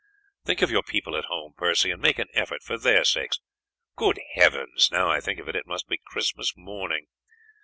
Think of your people at home, Percy, and make an effort for their sakes. Good Heavens! now I think of it, it must be Christmas morning.